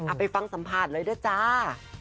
ไปฟังสัมภาษณ์เลยด้วยจ้า